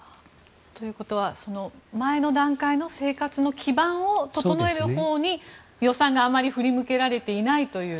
ということは前の段階の生活の基盤を整えるほうに予算があまり振り向けられていないという。